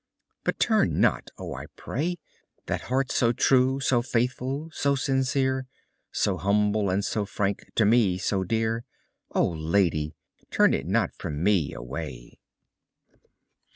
But turn not, oh, I pray! That heart so true, so faithful, so sincere. So humble and so frank, to me so dear. Oh, lady! turn it not from me away.